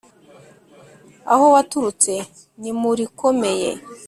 aho waturutse ni mu rikomeye